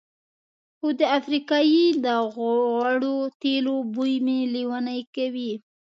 خو د افریقایي د غوړو تېلو بوی مې لېونی کوي.